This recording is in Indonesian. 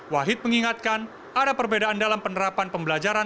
wahid mengingatkan ada perbedaan dalam penerapan pembelajaran